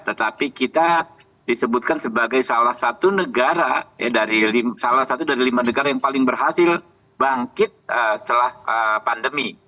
tetapi kita disebutkan sebagai salah satu negara salah satu dari lima negara yang paling berhasil bangkit setelah pandemi